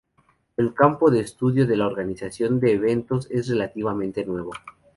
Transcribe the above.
El campo de estudio de la organización de eventos es relativamente nuevo.